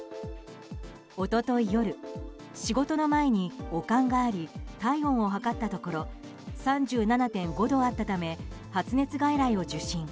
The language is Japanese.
一昨日夜、仕事の前に悪寒があり体温を測ったところ３７．５度あったため発熱外来を受診。